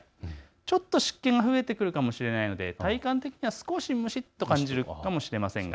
ちょっと湿気が増えてくるかもしれないので、体感的には少し蒸しっと感じるかもしれません。